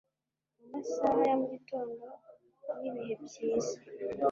mu masaha ya mugitondo n'ibihe byiza